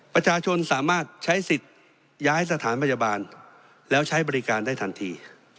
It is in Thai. ประชาชนสามารถใช้สิทธิ์ย้ายสถานพยาบาลแล้วใช้บริการได้ทันที